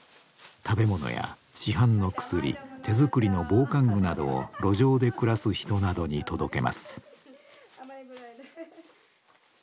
食べ物や市販の薬手作りの防寒具などを路上で暮らす人などに届けます。